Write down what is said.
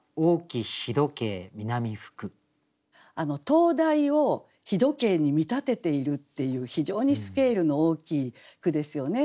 灯台を日時計に見立てているっていう非常にスケールの大きい句ですよね。